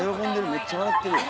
めっちゃ笑ってるよ。